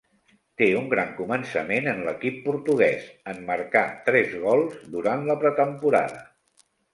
Té un gran començament en l'equip portuguès, en marcar tres gols durant la pretemporada.